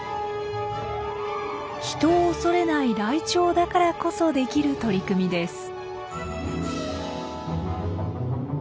人を恐れないライチョウだからこそできる取り組みです。